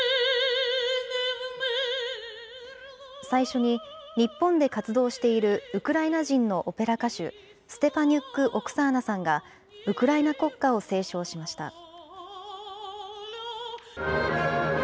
最初に、日本で活動しているウクライナ人のオペラ歌手、ステパニュック・オクサーナさんが、ウクライナ国歌を斉唱しました。